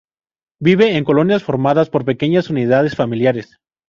Vive en colonias formadas por pequeñas unidades familiares.